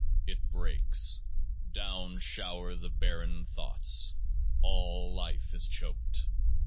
It breaks ; down shower the barren thoughts. All life is choked.